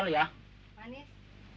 kopi susu satu yang kental ya